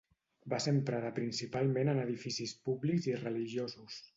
Va ser emprada principalment en edificis públics i religiosos.